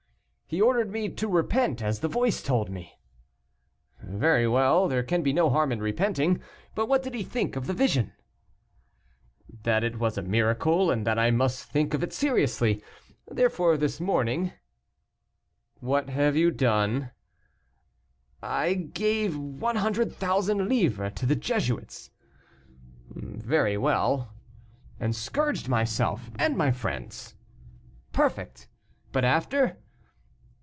"He ordered me to repent, as the voice told me." "Very well. There can be no harm in repenting. But what did he think of the vision?" "That it was a miracle, and that I must think of it seriously. Therefore, this morning " "What have you done?" "I gave 100,000 livres to the Jesuits." "Very well." "And scourged myself and my friends." "Perfect! but after?"